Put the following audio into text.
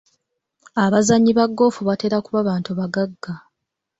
Abazannyi ba ggoofu batera kuba bantu bagagga.